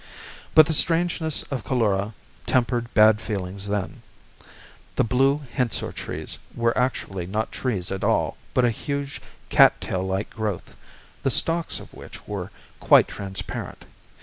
But the strangeness of Coulora tempered bad feelings then. The blue hensorr trees were actually not trees at all but a huge cat tail like growth, the stalks of which were quite transparent.